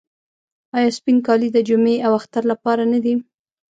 آیا سپین کالي د جمعې او اختر لپاره نه دي؟